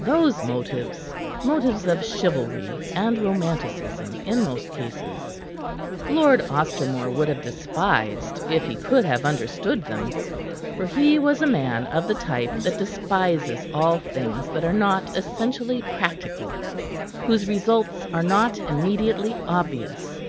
Those motives motives of chivalry and romanticism in most cases Lord Ostermore would have despised if he could have understood them; for he was a man of the type that despises all things that are not essentially practical, whose results are not immediately obvious.